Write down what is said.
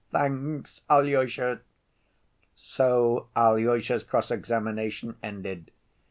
Thanks, Alyosha!" So Alyosha's cross‐examination ended.